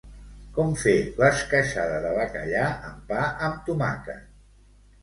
Com fer l'esqueixada de bacallà amb pa amb tomàquet.